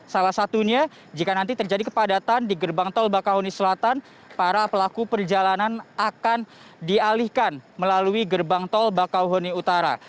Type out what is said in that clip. salah satunya jika nanti terjadi kepadatan di gerbang tol bakahuni selatan para pelaku perjalanan akan dialihkan melalui gerbang tol bakauheni utara